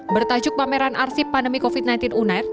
bertajuk pameran arsip pandemi covid sembilan belas unight